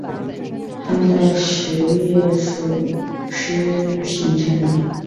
汉代时乐府诗形成。